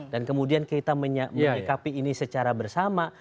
dan kemudian kita menyampaikan ini secara bersama